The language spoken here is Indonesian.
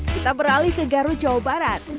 kita beralih ke garut jawa barat